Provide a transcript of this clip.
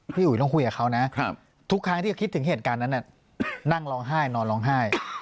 พี่อุ๋ยต้องคุยกับเขานะทุกครั้งที่คิดถึงเหตุการณ์นั้นนั่งร้องไห้นอนร้องไห้